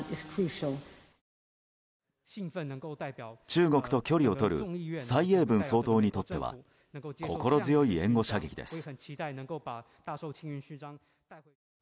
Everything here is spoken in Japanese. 中国と距離をとる蔡英文総統にとっては心強い援護射撃です。